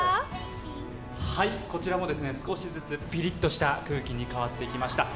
こちらも少しずつピリッとした空気に変わってきました。